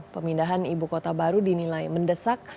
pemindahan ibu kota baru dinilai mendesak